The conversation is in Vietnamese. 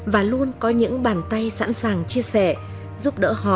và luôn có những bàn tay sẵn sàng chia sẻ giúp đỡ họ